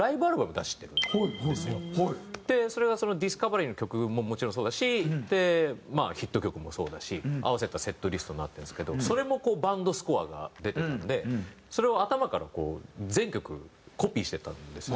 それが『ＤＩＳＣＯＶＥＲＹ』の曲ももちろんそうだしまあヒット曲もそうだし合わせたセットリストになってるんですけどそれもバンドスコアが出てたのでそれを頭からこう全曲コピーしていったんですよ。